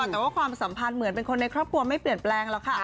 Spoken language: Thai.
แต่ว่าความสัมพันธ์เหมือนเป็นคนในครอบครัวไม่เปลี่ยนแปลงหรอกค่ะ